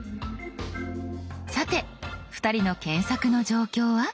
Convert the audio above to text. さて２人の検索の状況は。